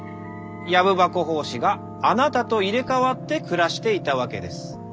「藪箱法師」があなたと入れ代わって暮らしていたわけです。